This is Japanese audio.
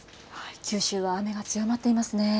九州は雨が強まっていますね。